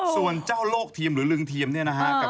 ส่วนเจ้าโลกเทียมอือลึงเทียมเนี่ยนะครับ